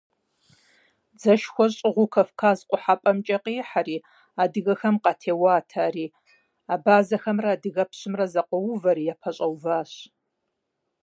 Дзэшхуэ щӏыгъуу Кавказ Къухьэпӏэмкӏэ къихьэри, адыгэхэм къатеуат ари, абазэхэмрэ адыгэпщымрэ зэкъуэувэри, япэщӏэуващ.